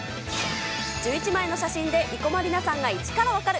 １１枚の写真で生駒里奈さんが１から分かる！